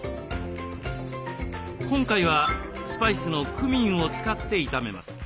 今回はスパイスのクミンを使って炒めます。